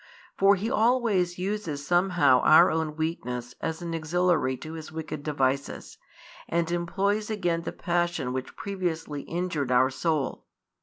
For he always uses somehow our own weakness as an auxiliary to his wicked devices, and employs again the passion which previously injured our soul.